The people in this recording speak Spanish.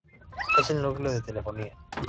Es el núcleo de telefonía.